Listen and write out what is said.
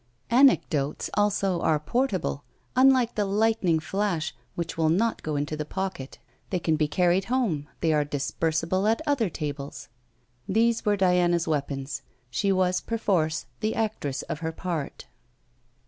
Anecdotes also are portable, unlike the lightning flash, which will not go into the pocket; they can be carried home, they are disbursable at other tables. These were Diana's weapons. She was perforce the actress of her part.